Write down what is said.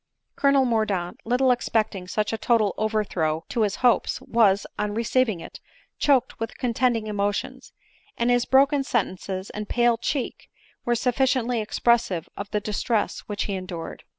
Colonel Mordaunt, little expecting such a total over throw to his hopes, was, on receiving it, choked with contending emotions ; and his broken sentences and pale cheek were sufficiently expressive of the distress which he endured.